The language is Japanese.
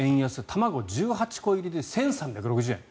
卵、１８個入りで１３６０円。